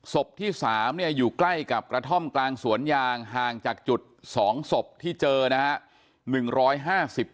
ศพที่๓อยู่ใกล้กับกระท่อมกลางสวนยางห่างจากจุด๒ศพที่เจอนะฮะ